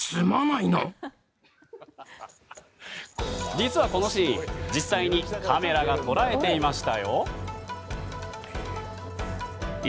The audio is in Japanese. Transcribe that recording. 実は、このシーン実際にカメラが捉えていました。